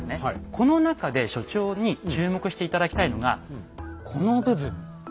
この中で所長に注目して頂きたいのがこの部分。